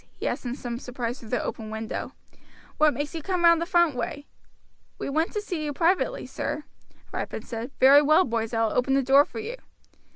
he asked in some surprise through the open window. "What makes you come round the front way?" "We want to see you privately, sir," Ripon said. "Very well, boys, I will open the door for you.